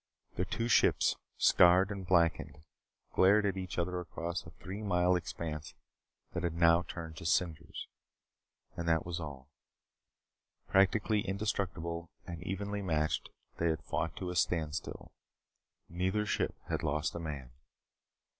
The two ships, scarred and blackened; glared at each other across a three mile expanse that had now turned to cinders. And that was all. Practically indestructible, and evenly matched, they had fought to a standstill. Neither ship had lost a man.